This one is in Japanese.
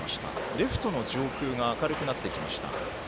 レフトの上空が明るくなってきました。